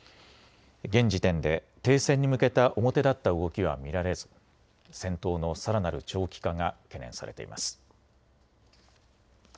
現時点で停戦に向けた表立った動きは見られず戦闘のさらなる長期化が懸念されています。